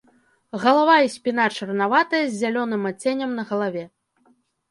Галава і спіна чарнаватыя з зялёным адценнем на галаве.